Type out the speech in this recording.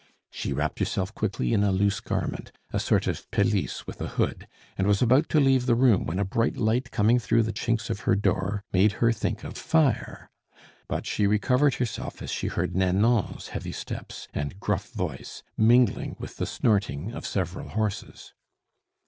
She wrapped herself quickly in a loose garment, a sort of pelisse with a hood, and was about to leave the room when a bright light coming through the chinks of her door made her think of fire. But she recovered herself as she heard Nanon's heavy steps and gruff voice mingling with the snorting of several horses.